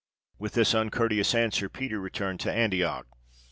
With this uncourteous answer Peter returned to Antioch.